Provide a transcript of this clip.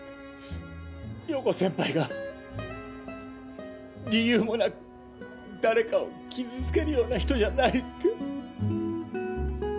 涼子先輩が理由もなく誰かを傷つけるような人じゃないって。